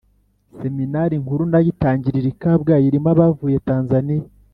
seminari nkuru nayo itangirira i kabgayi, irimo abavuye tanzaniya